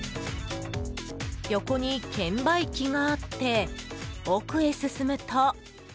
横に券売機があって奥へ進むと。